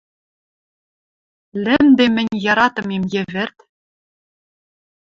Лӹмдем мӹнь яратымем йӹвӹрт?